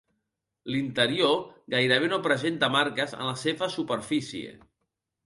L'interior gairebé no presenta marques en la seva superfície.